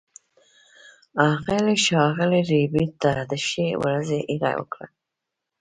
هغه ښاغلي ربیټ ته د ښې ورځې هیله وکړه